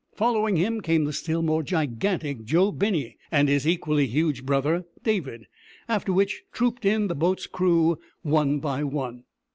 Following him came the still more gigantic Joe Binney, and his equally huge brother David, after which trooped in the boat's crew one by one.